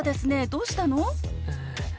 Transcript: どうしたの？